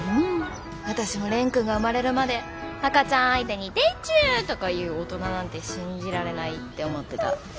私も蓮くんが生まれるまで赤ちゃん相手に「でちゅ」とか言う大人なんて信じられないって思ってた。